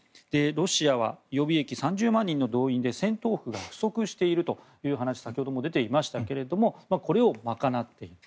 ロシアは予備役３０万人の動員で戦闘服が不足しているという話先ほども出ていましたがこれを賄っている。